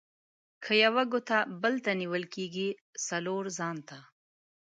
که یوه ګوته بل ته نيول کېږي؛ :څلور ځان ته.